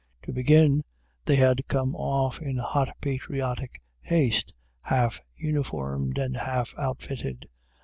To begin: They had come off in hot patriotic haste, half uniformed and half outfitted.